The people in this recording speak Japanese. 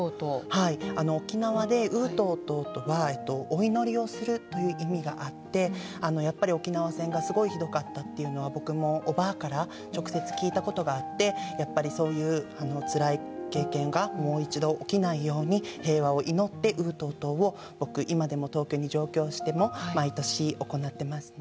沖縄で、うーとーとぅとはお祈りをするという意味があってやっぱり沖縄戦がすごいひどかったというのは僕もおばあから直接聞いたことがあってやっぱりそういうつらい経験がもう一度起きないように平和を祈ってうーとーとぅを今でも、東京に上京しても毎年行ってますね。